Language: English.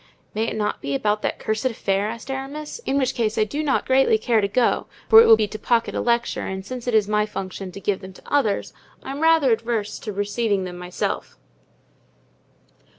"May it not be about that cursed affair?" asked Aramis, "in which case I do not greatly care to go, for it will be to pocket a lecture; and since it is my function to give them to others I am rather averse to receiving them myself."